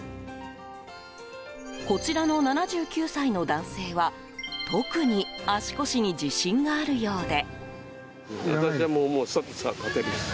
こちらの７９歳の男性は特に、足腰に自信があるようで。